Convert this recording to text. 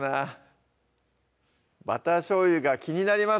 バターしょうゆが気になります